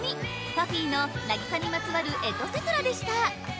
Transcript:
ＰＵＦＦＹの「渚にまつわるエトセトラ」でした